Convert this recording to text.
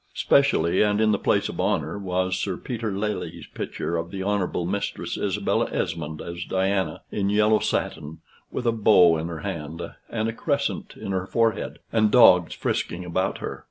Specially, and in the place of honor, was Sir Peter Lely's picture of the honorable Mistress Isabella Esmond as Diana, in yellow satin, with a bow in her hand and a crescent in her forehead; and dogs frisking about her.